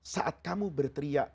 saat kamu berteriak